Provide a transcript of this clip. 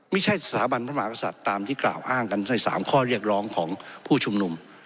สถาบันพระมหากษัตริย์ตามที่กล่าวอ้างกันใน๓ข้อเรียกร้องของผู้ชุมนุม